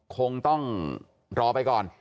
คงต้องรอไปก่อน